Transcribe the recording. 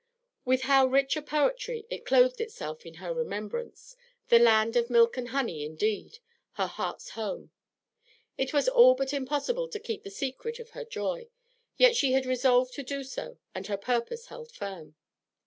With how rich a poetry it clothed itself in her remembrance, the land of milk and honey, indeed, her heart's home. It was all but impossible to keep the secret of her joy, yet she had resolved to do so, and her purpose held firm.